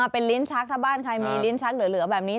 เป็นลิ้นชักถ้าบ้านใครมีลิ้นชักเหลือแบบนี้